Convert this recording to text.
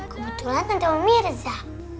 kebetulan nanti om irza